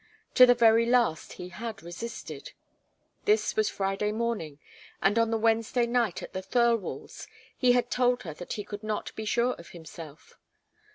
To the very last he had resisted. This was Friday morning, and on the Wednesday night at the Thirlwalls' he had told her that he could not be sure of himself.